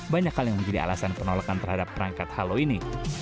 banyak hal yang menjadi alasan penolakan terhadap perangkat halo ini